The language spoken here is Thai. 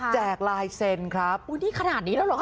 แจกลายเซนครับวู้นี่ขนาดนี้แล้วหรอ